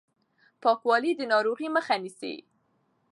پاکوالی د ناروغۍ مخه نيسي.